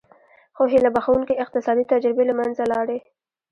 خو هیله بښوونکې اقتصادي تجربې له منځه لاړې.